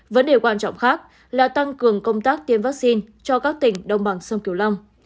vấn đề quan trọng khác là tăng cường công tác tiêm vaccine cho các tỉnh đồng bằng sông kiều long